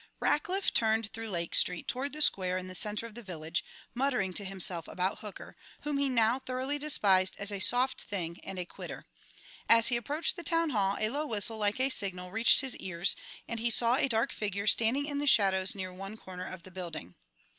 Rackliff turned through Lake Street toward the square in the center of the village, muttering to himself about Hooker, whom he now thoroughly despised as a "soft thing" and a "quitter." As he approached the Town Hall a low whistle like a signal reached his ears, and he saw a dark figure standing in the shadows near one corner of the building.